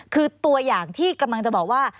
คือตัวอย่างที่กำลังจะบอกว่า